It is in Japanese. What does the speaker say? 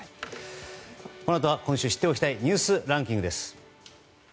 このあとは今週知っておきたいニュースランキングです。